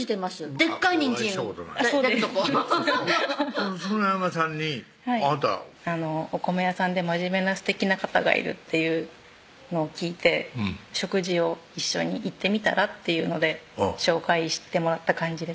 でっかいにんじん出るとこ園山さんにあなた「お米屋さんで真面目なすてきな方がいる」っていうのを聞いて「食事を一緒に行ってみたら？」って言うので紹介してもらった感じです